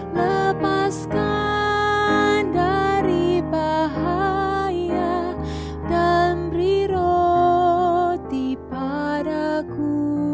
lepaskan dari bahaya dan beri roti padaku